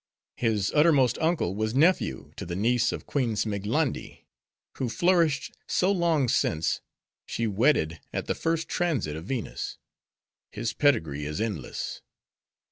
His uttermost uncle was nephew to the niece of Queen Zmiglandi; who flourished so long since, she wedded at the first Transit of Venus. His pedigree is endless."